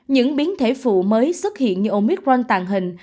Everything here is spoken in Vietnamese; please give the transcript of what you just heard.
những biến thể phụ mới xuất hiện như omicron tàn hình